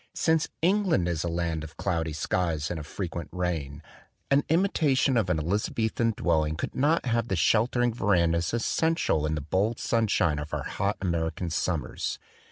Since England is a land of cloudy skies and of frequent rain, an imitation of an Eliza bethan dwelling could not have the sheltering verandas essential in the bold sunshine of our hot American summers.